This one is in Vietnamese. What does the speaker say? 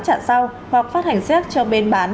trạng sau hoặc phát hành xét cho bên bán